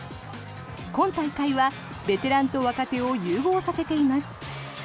今大会はベテランと若手を融合させています。